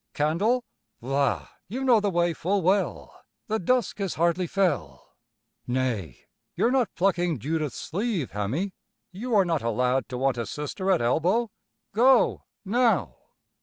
Candle? La, you know the way full well. The dusk is hardly fell. Nay, you're not plucking Judith's sleeve, Hammie? You are not a lad to want a sister at elbow? Go, now!